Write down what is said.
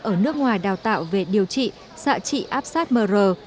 ở nước ngoài đào tạo về điều trị xạ trị áp sát mr